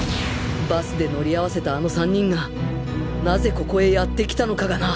バスで乗り合わせたあの３人がなぜここへやって来たのかがな！